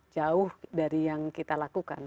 jauh dari yang kita lakukan